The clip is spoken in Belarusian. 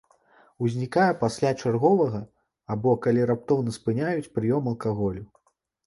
Узнікае пасля чарговага або калі раптоўна спыняюць прыём алкаголю.